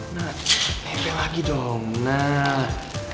nah tempe lagi dong nah